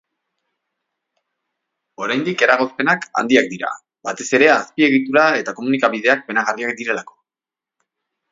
Oraindik eragozpenak handiak dira, batez ere azpiegitura eta komunikabideak penagarriak direlako.